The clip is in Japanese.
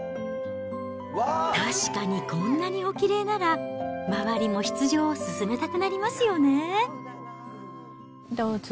確かにこんなにおきれいなら、周りも出場を勧めたくなりますよね。